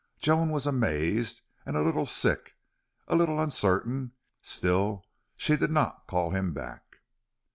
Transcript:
Joan was amazed, and a little sick, a little uncertain: still she did not call him back.